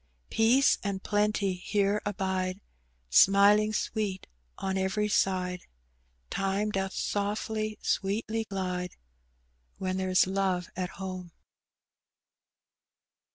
Peace and plenty here abide, SmiHng sweet on every side ; Time doth softly, sweetly glide, When there's love at home."